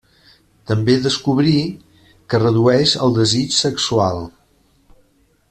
També descobrí que redueix el desig sexual.